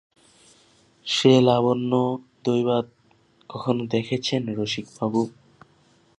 সে লাবণ্য দৈবাৎ কখনো দেখেছেন রসিকবাবু?